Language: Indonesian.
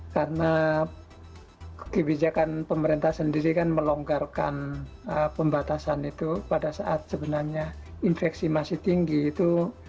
karena kebijakan pemerintah sendiri kan melonggarkan pembatasan itu pada saat sebenarnya infeksi masih tinggi itu